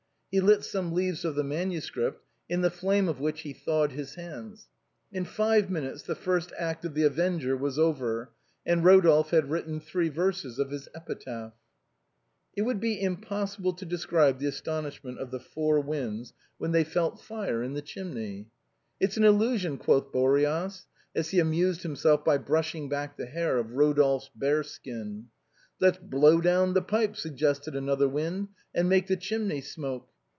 He lit some leaves of the manuscript, in the flame of which he thawed his hands. In five minutes the first act of " The Avenger " was over, and Eodolphe had written three verses of his epitaph. THE WHITE VIOLETS. Ill It would be impossible to describe the astonishment of tlie four winds when they felt fire in the chimney. " It's an illusion," quoth Boreas, as he amused himself by brushing back the hair of Eodolphe's bear skin, " Let's blow down the pipe," suggested another wind, " and make the chimney smoke."